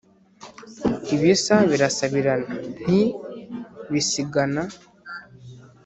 Ibisa birasabirana nti bisigana